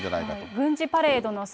軍事パレードの際、